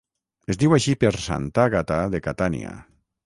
Es diu així per Santa Àgata de Catània.